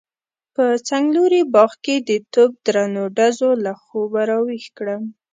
په څنګلوري باغ کې د توپ درنو ډزو له خوبه راويښ کړم.